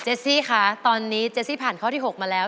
ซี่คะตอนนี้เจซี่ผ่านข้อที่๖มาแล้ว